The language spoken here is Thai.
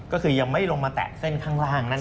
ก็คือยังไม่ลงมาแตะเส้นข้างล่างนั่นเอง